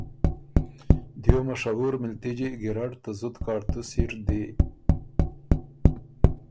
دیو مشهور مِلتِجی، ګیرډ ته زُت کاړتُسی، ر دی